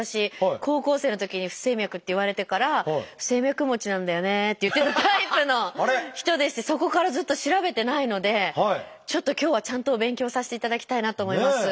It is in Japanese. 高校生のときに不整脈って言われてから「不整脈持ちなんだよね」って言ってたタイプの人でしてそこからずっと調べてないのでちょっと今日はちゃんとお勉強させていただきたいなと思います。